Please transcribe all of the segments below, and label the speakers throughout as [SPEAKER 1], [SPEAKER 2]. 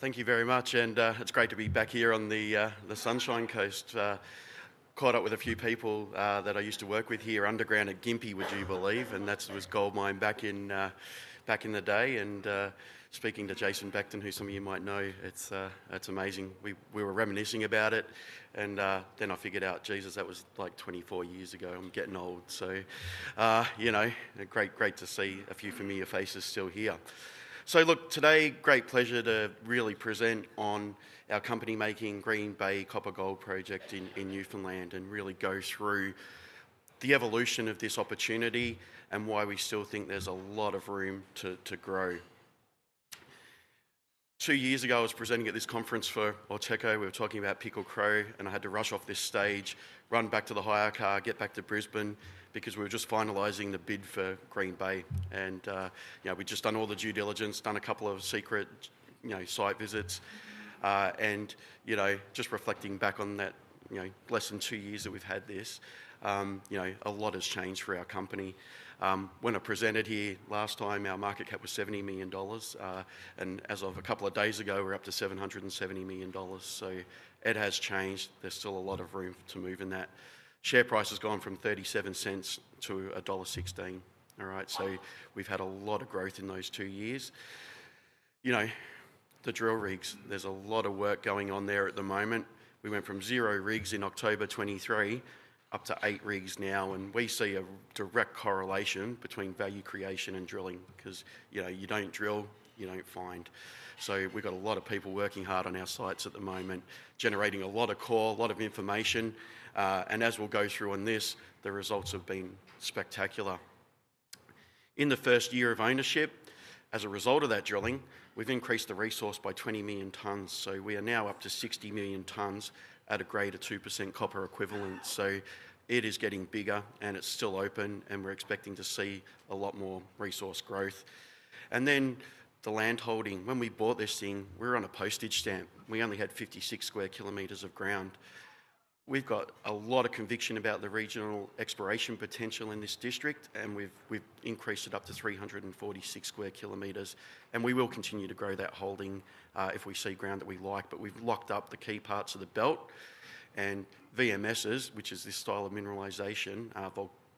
[SPEAKER 1] Thank you very much. It's great to be back here on the Sunshine Coast, caught up with a few people that I used to work with here underground at Gympie, would you believe? That was a gold mine back in the day. Speaking to Jason back to who some of you might know, it's amazing. We were reminiscing about it. I figured out, Jesus, that was like 24 years ago. I'm getting old. Great to see a few familiar faces still here. Today, great pleasure to really present on our company making Green Bay Copper-Gold Project in Newfoundland, and really go through the evolution of this opportunity and why we still think there's a lot of room to grow. Two years ago, I was presenting at this conference for Oteco. We were talking about Pickle Crow, and I had to rush off this stage, run back to the hire car, get back to Brisbane because we were just finalizing the bid for Green Bay. We'd just done all the due diligence, done a couple of secret site visits. Reflecting back on that, less than two years that we've had this, a lot has changed for our company. When I presented here last time, our market cap was $70 million. As of a couple of days ago, we're up to $770 million. It has changed. There's still a lot of room to move in that. Share price has gone from $0.37 to $1.16. We've had a lot of growth in those two years. The drill rigs, there's a lot of work going on there at the moment. We went from zero rigs in October 2023 up to eight rigs now. We see a direct correlation between value creation and drilling because you don't drill, you don't find. We've got a lot of people working hard on our sites at the moment, generating a lot of core, a lot of information. As we'll go through on this, the results have been spectacular. In the first year of ownership, as a result of that drilling, we've increased the resource by 20 million tons. We are now up to 60 million tons at a grade of 2% copper equivalent. It is getting bigger and it's still open. We're expecting to see a lot more resource growth. The land holding, when we bought this thing, we were on a postage stamp. We only had 56 square kilometers of ground. We've got a lot of conviction about the regional exploration potential in this district. We've increased it up to 346 square kilometers. We will continue to grow that holding if we see ground that we like. We've locked up the key parts of the belt and VMSs, which is this style of mineralization,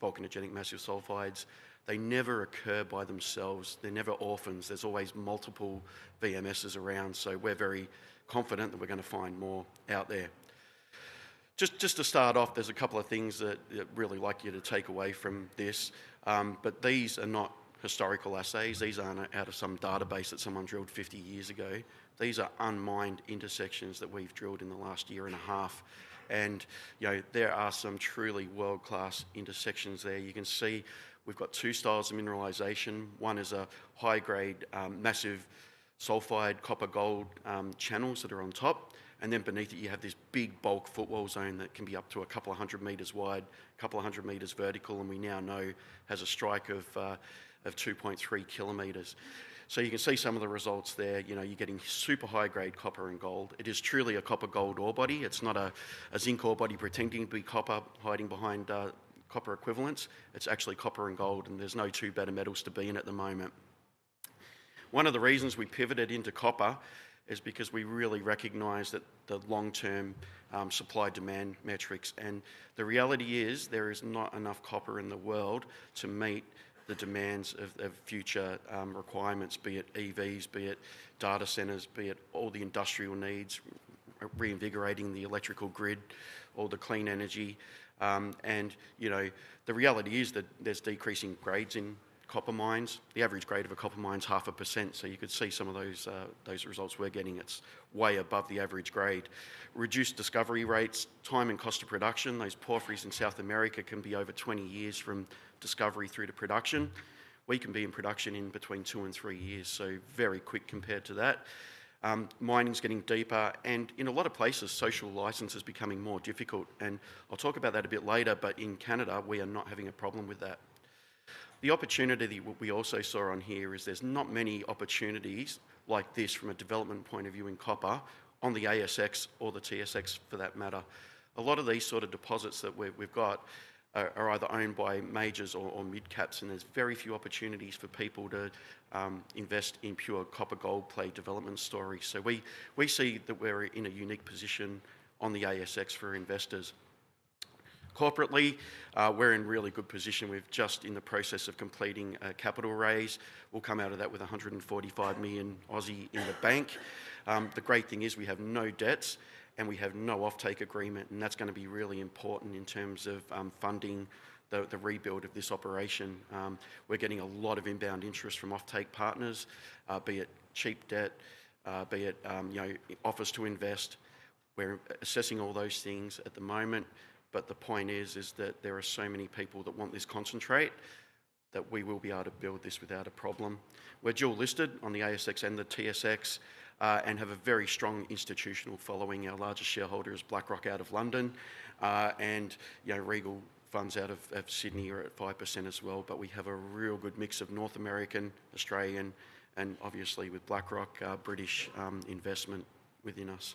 [SPEAKER 1] volcanogenic massive sulfides. They never occur by themselves. They're never orphans. There's always multiple VMSs around. We are very confident that we're going to find more out there. Just to start off, there's a couple of things that I'd really like you to take away from this. These are not historical assays. These aren't out of some database that someone drilled 50 years ago. These are unmined intersections that we've drilled in the last year and a half. There are some truly world-class intersections there. You can see we've got two styles of mineralization. One is a high-grade massive sulfide copper-gold channels that are on top. Beneath it, you have this big bulk footwall zone that can be up to a couple of hundred meters wide, a couple of hundred meters vertical. We now know it has a strike of 2.3 kilometers. You can see some of the results there. You're getting super high-grade copper and gold. It is truly a copper-gold ore body. It's not a zinc ore body pretending to be copper hiding behind copper equivalents. It's actually copper and gold. There are no two better metals to be in at the moment. One of the reasons we pivoted into copper is because we really recognize the long-term supply-demand metrics. The reality is there is not enough copper in the world to meet the demands of future requirements, be it EVs, be it data centers, be it all the industrial needs reinvigorating the electrical grid, or the clean energy. The reality is that there's decreasing grades in copper mines. The average grade of a copper mine is 0.5%. You can see some of those results we're getting. It's way above the average grade. Reduced discovery rates, time and cost of production. Those porphyries in South America can be over 20 years from discovery through to production. We can be in production in between two and three years, which is very quick compared to that. Mining is getting deeper. In a lot of places, social license is becoming more difficult. I'll talk about that a bit later. In Canada, we are not having a problem with that. The opportunity that we also saw here is there's not many opportunities like this from a development point of view in copper on the ASX or the TSX for that matter. A lot of these sort of deposits that we've got are either owned by majors or mid-caps. There's very few opportunities for people to invest in pure copper gold play development stories. We see that we're in a unique position on the ASX for investors. Corporately, we're in a really good position. We're just in the process of completing a capital raise. We'll come out of that with $145 million Aussie in the bank. The great thing is we have no debts and we have no offtake agreement. That's going to be really important in terms of funding the rebuild of this operation. We're getting a lot of inbound interest from offtake partners, be it cheap debt, be it offers to invest. We're assessing all those things at the moment. The point is that there are so many people that want this concentrate that we will be able to build this without a problem. We're dual listed on the ASX and the TSX and have a very strong institutional following. Our largest shareholder is BlackRock out of London. Regal Funds out of Sydney are at 5% as well. We have a real good mix of North American, Australian, and obviously with BlackRock, British investment within us.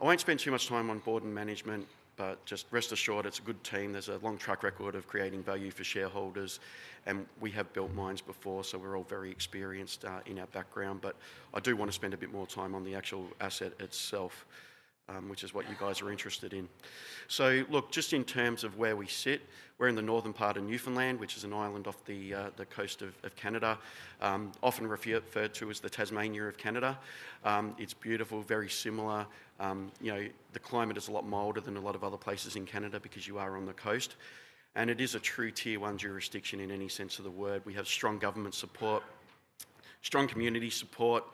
[SPEAKER 1] I won't spend too much time on board and management, but just rest assured it's a good team. There's a long track record of creating value for shareholders. We have built mines before. We're all very experienced in our background. I do want to spend a bit more time on the actual asset itself, which is what you guys are interested in. Just in terms of where we sit, we're in the northern part of Newfoundland, which is an island off the coast of Canada, often referred to as the Tasmania of Canada. It's beautiful, very similar. The climate is a lot milder than a lot of other places in Canada because you are on the coast. It is a true tier one jurisdiction in any sense of the word. We have strong government support, strong community support,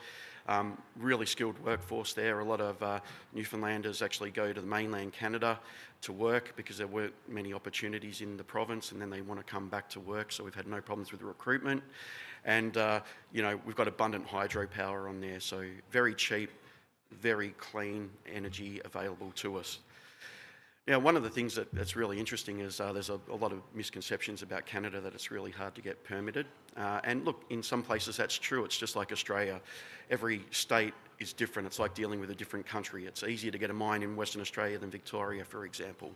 [SPEAKER 1] really skilled workforce there. A lot of Newfoundlanders actually go to the mainland Canada to work because there weren't many opportunities in the province. They want to come back to work. We've had no problems with the recruitment. We've got abundant hydropower on there. Very cheap, very clean energy available to us. One of the things that's really interesting is there's a lot of misconceptions about Canada, that it's really hard to get permitted. In some places that's true. It's just like Australia. Every state is different. It's like dealing with a different country. It's easier to get a mine in Western Australia than Victoria, for example.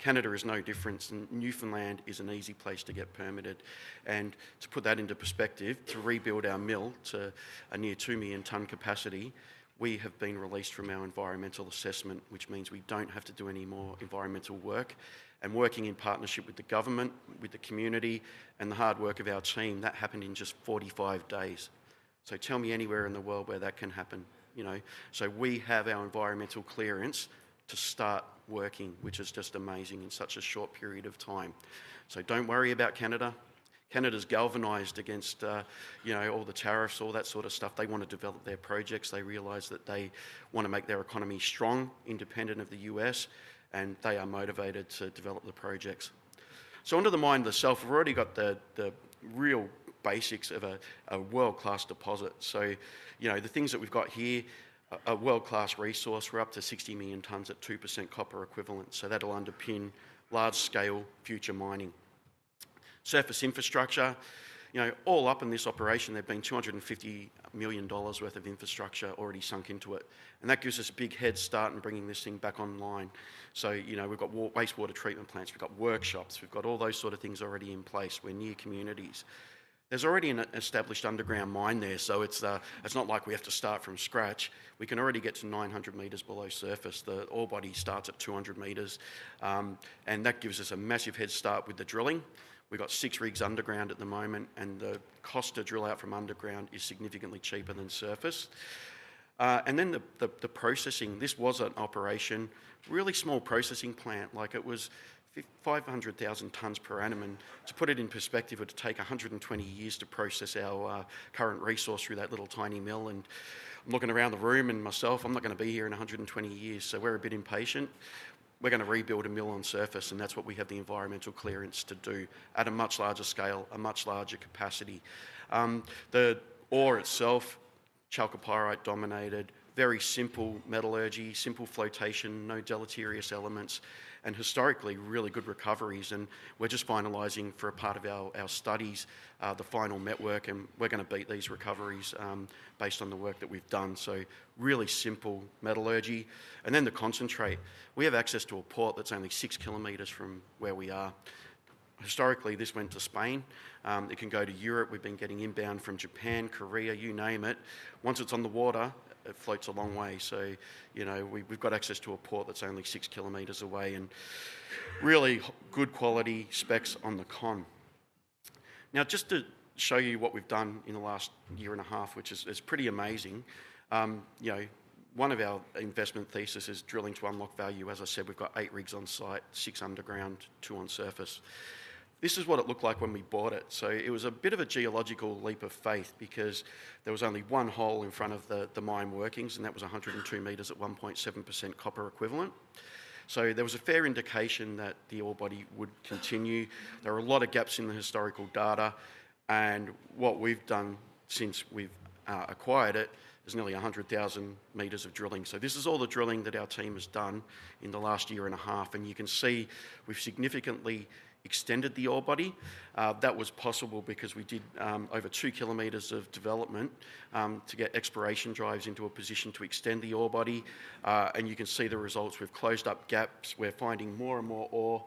[SPEAKER 1] Canada is no different. Newfoundland is an easy place to get permitted. To put that into perspective, to rebuild our mill to a near two-million-ton capacity, we have been released from our environmental assessment, which means we don't have to do any more environmental work. Working in partnership with the government, with the community, and the hard work of our team, that happened in just 45 days. Tell me anywhere in the world where that can happen. We have our environmental clearance to start working, which is just amazing in such a short period of time. Don't worry about Canada. Canada's galvanized against, you know, all the tariffs, all that sort of stuff. They want to develop their projects. They realize that they want to make their economy strong, independent of the U.S. They are motivated to develop the projects. Under the mine itself, we've already got the real basics of a world-class deposit. The things that we've got here, a world-class resource, we're up to 60 million tons at 2% copper equivalent. That'll underpin large-scale future mining. Surface infrastructure, all up in this operation, there have been $250 million worth of infrastructure already sunk into it. That gives us a big head start in bringing this thing back online. We've got wastewater treatment plants, we've got workshops, we've got all those sort of things already in place. We're near communities. There's already an established underground mine there. It's not like we have to start from scratch. We can already get to 900 meters below surface. The ore body starts at 200 meters. That gives us a massive head start with the drilling. We've got six rigs underground at the moment. The cost to drill out from underground is significantly cheaper than surface. The processing this was an operation, really small processing plant, like it was 500,000 tons per annum. To put it in perspective, it would take 120 years to process our current resource through that little tiny mill. I'm looking around the room and myself, I'm not going to be here in 120 years. We're a bit impatient. We're going to rebuild a mill on surface. That is what we have the environmental clearance to do at a much larger scale, a much larger capacity. The ore itself, chalcopyrite dominated, very simple metallurgy, simple flotation, no deleterious elements, and historically, really good recoveries. We're just finalizing for a part of our studies, the final network. We're going to beat these recoveries based on the work that we've done. Really simple metallurgy. The concentrate we have access to a port that's only six kilometers from where we are. Historically, this went to Spain. It can go to Europe. We've been getting inbound from Japan, Korea, you name it. Once it's on the water, it floats a long way. We've got access to a port that's only six kilometers away and really good quality specs on the con. Now, just to show you what we've done in the last year and a half, which is pretty amazing. One of our investment theses is drilling to unlock value. As I said, we've got eight rigs on site, six underground, two on surface. This is what it looked like when we bought it. It was a bit of a geological leap of faith because there was only one hole in front of the mine workings, and that was 102 meters at 1.7% copper equivalent. There was a fair indication that the ore body would continue. There are a lot of gaps in the historical data. What we've done since we've acquired it is nearly 100,000 meters of drilling. This is all the drilling that our team has done in the last year and a half. You can see we've significantly extended the ore body. That was possible because we did over two kilometers of development to get exploration drives into a position to extend the ore body. You can see the results. We've closed up gaps. We're finding more and more ore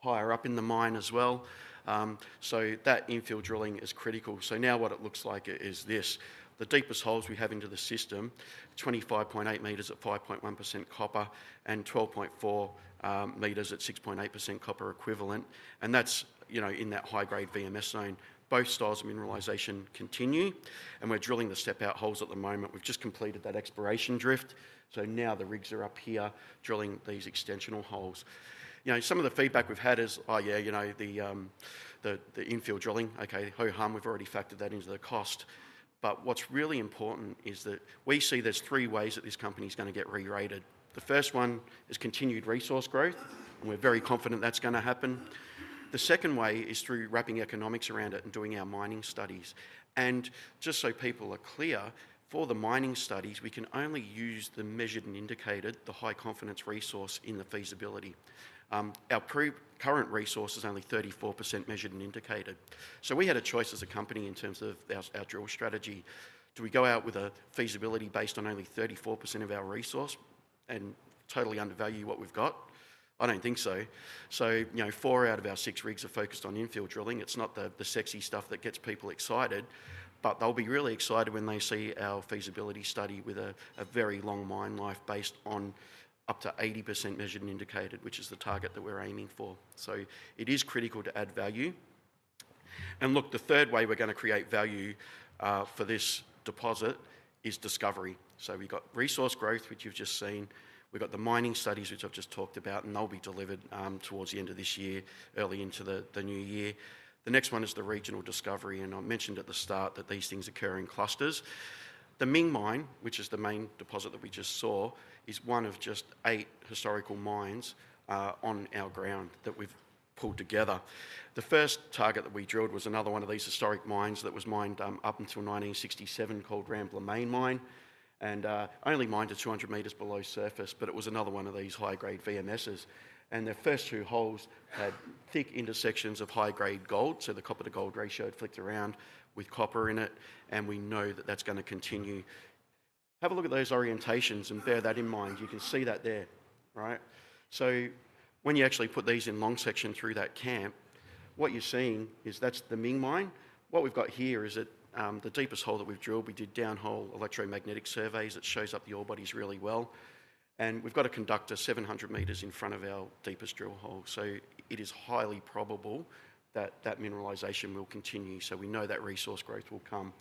[SPEAKER 1] higher up in the mine as well. That infield drilling is critical. Now, what it looks like is this. The deepest holes we have into the system, 25.8 meters at 5.1% copper and 12.4 meters at 6.8% copper equivalent. That's in that high-grade VMS zone. Both styles of mineralization continue. We're drilling the step-out holes at the moment. We've just completed that exploration drift. Now the rigs are up here drilling these extensional holes. Some of the feedback we've had is, oh yeah, the infield drilling. Okay, ho-hum, we've already factored that into the cost. What's really important is that we see there's three ways that this company is going to get re-rated. The first one is continued resource growth, and we're very confident that's going to happen. The second way is through wrapping economics around it and doing our mining studies. Just so people are clear, for the mining studies, we can only use the measured and indicated, the high confidence resource in the feasibility. Our current resource is only 34% measured and indicated. We had a choice as a company in terms of our drill strategy. Do we go out with a feasibility based on only 34% of our resource and totally undervalue what we've got? I don't think so. Four out of our six rigs are focused on infield drilling. It's not the sexy stuff that gets people excited, but they'll be really excited when they see our feasibility study with a very long mine life based on up to 80% measured and indicated, which is the target that we're aiming for. It is critical to add value. The third way we're going to create value for this deposit is discovery. We've got resource growth, which you've just seen. We've got the mining studies, which I've just talked about, and they'll be delivered towards the end of this year, early into the new year. The next one is the regional discovery. I mentioned at the start that these things occur in clusters. The Ming Mine, which is the main deposit that we just saw, is one of just eight historical mines on our ground that we've pulled together. The first target that we drilled was another one of these historic mines that was mined up until 1967, called Rambler Main Mine, and only mined at 200 meters below surface. It was another one of these high-grade VMSs, and the first two holes had thick intersections of high-grade gold. The copper-to-gold ratio had flicked around with copper in it, and we know that that's going to continue. Have a look at those orientations and bear that in mind. You can see that there, right? When you actually put these in long section through that camp, what you're seeing is that's the Ming Mine. What we've got here is the deepest hole that we've drilled. We did downhole electromagnetic surveys. It shows up the ore bodies really well, and we've got a conductor 700 meters in front of our deepest drill hole. It is highly probable that that mineralization will continue. We know that resource growth will come.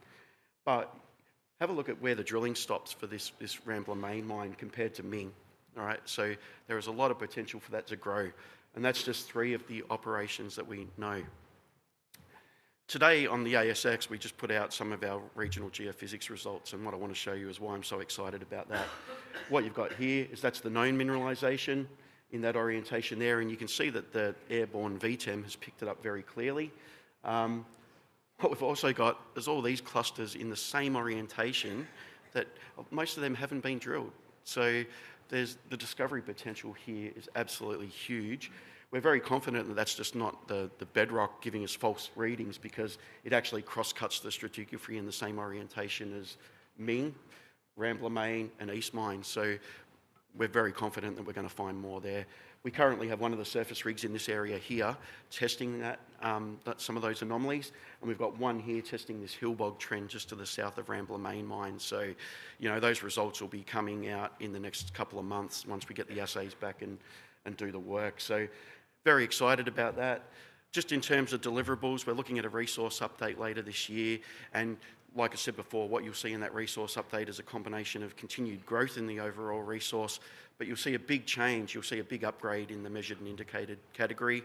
[SPEAKER 1] Have a look at where the drilling stops for this Rambler Main Mine compared to Ming. There is a lot of potential for that to grow. That is just three of the operations that we know. Today on the ASX, we just put out some of our regional geophysics results. What I want to show you is why I'm so excited about that. What you've got here is that's the known mineralization in that orientation there. You can see that the airborne VTEM has picked it up very clearly. What we've also got is all these clusters in the same orientation that most of them haven't been drilled. The discovery potential here is absolutely huge. We're very confident that that's just not the bedrock giving us false readings because it actually cross-cuts the stratigraphy in the same orientation as Ming, Rambler Main, and East Mine. We're very confident that we're going to find more there. We currently have one of the surface rigs in this area here testing some of those anomalies. We've got one here testing this hill bog trend just to the south of Rambler Main Mine. Those results will be coming out in the next couple of months once we get the assays back and do the work. Very excited about that. In terms of deliverables, we're looking at a resource update later this year. Like I said before, what you'll see in that resource update is a combination of continued growth in the overall resource. You'll see a big change. You'll see a big upgrade in the measured and indicated category.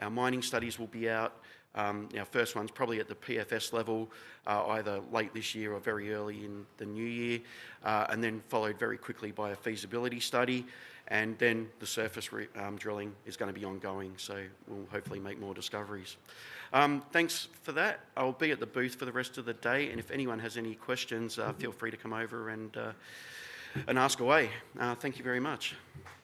[SPEAKER 1] Our mining studies will be out. Our first one's probably at the PFS level, either late this year or very early in the new year, followed very quickly by a feasibility study. The surface drilling is going to be ongoing. We'll hopefully make more discoveries. Thanks for that. I'll be at the booth for the rest of the day. If anyone has any questions, feel free to come over and ask away. Thank you very much.
[SPEAKER 2] Thank you.